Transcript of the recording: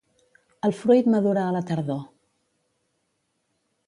El fruit madura a la tardor.